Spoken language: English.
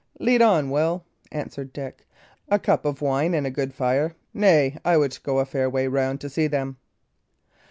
"Lead on, Will," answered Dick. "A cup of wine and a good fire! Nay, I would go a far way round to see them."